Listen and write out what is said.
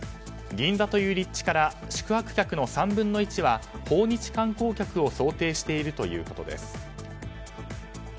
銀座という立地から宿泊客の３分の１は訪日観光客を想定しているということです。